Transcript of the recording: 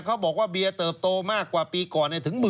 เขาบอกว่าเบียร์เติบโตมากกว่าปีก่อนถึง๑๐๐